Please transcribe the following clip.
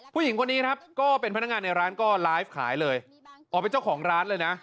ผู้หญิงคนนี้ครับก็เป็นพนักงานในร้านก็ไลฟ์ขายเลยอ๋อเป็นเจ้าของร้านเลยนะ